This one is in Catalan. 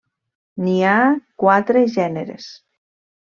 N'hi ha quatre gèneres.